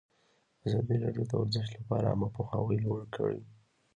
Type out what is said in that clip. ازادي راډیو د ورزش لپاره عامه پوهاوي لوړ کړی.